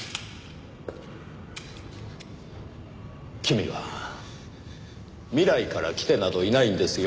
君は未来から来てなどいないんですよ。